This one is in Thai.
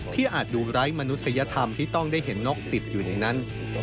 อาจดูไร้มนุษยธรรมที่ต้องได้เห็นนกติดอยู่ในนั้น